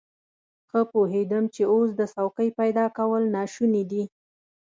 ښه پوهېدم چې اوس د څوکۍ پيدا کول ناشوني دي.